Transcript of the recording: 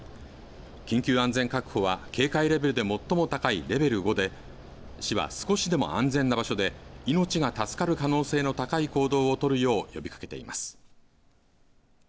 緊急安全確保は警戒レベルで最も高いレベル５で市は少しでも安全な場所で命が助かる可能性の高い行動を取るよう呼びかけています。